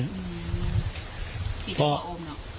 อืมที่เจ้าโป้งเนอะ